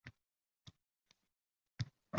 Baxt - fazilat yoki xizmat.